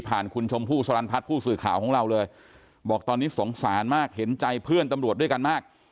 คุณชมพู่สลันพัฒน์ผู้สื่อข่าวของเราเลยบอกตอนนี้สงสารมากเห็นใจเพื่อนตำรวจด้วยกันมาก